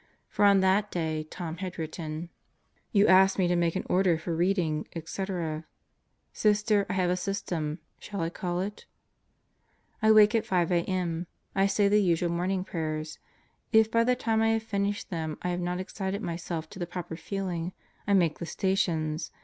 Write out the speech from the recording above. For on that day Tom had written: ... You ask me to make an order for reading, etc. .. Sister I have a system, shall I call it? I wake at 5 a,m. I say the usual morning prayers. If by the time I have finished them I have not excited myself to the proper feeling, I make the Stations.